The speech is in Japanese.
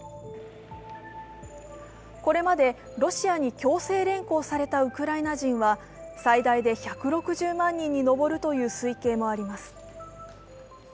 これまでロシアに強制連行されたウクライナ人は最大で１６０万人に上るという推計もあります。